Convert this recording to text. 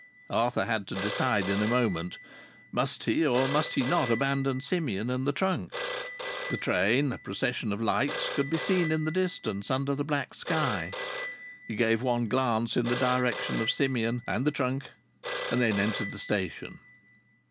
Arthur had to decide in a moment. Must he or must he not abandon Simeon and the trunk? The train, a procession of lights, could be seen in the distance under the black sky. He gave one glance in the direction of Simeon and the trunk, and then entered the station.